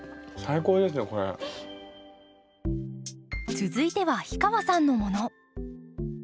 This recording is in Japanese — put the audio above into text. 続いては氷川さんのもの。